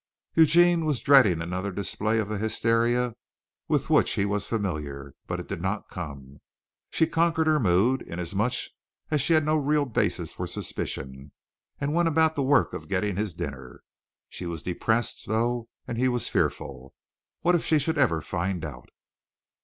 Eugene was dreading another display of the hysteria with which he was familiar, but it did not come. She conquered her mood, inasmuch as she had no real basis for suspicion, and went about the work of getting him his dinner. She was depressed, though, and he was fearful. What if she should ever find out!